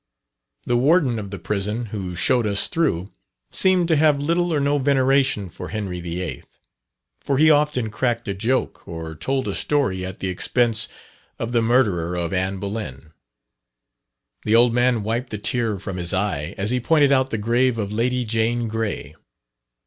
The warden of the prison who showed us through, seemed to have little or no veneration for Henry VIII.; for he often cracked a joke, or told a story at the expense of the murderer of Anne Boleyn. The old man wiped the tear from his eye, as he pointed out the grave of Lady Jane Grey.